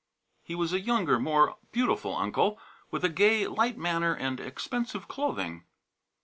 He was a younger, more beautiful uncle, with a gay, light manner and expensive clothing.